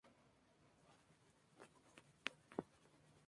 Esta cascada está dentro de un frondoso bosque de pino silvestre.